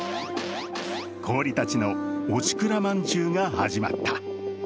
氷たちのおしくらまんじゅうが始まった。